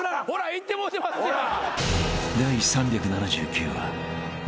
いってもうてますやん。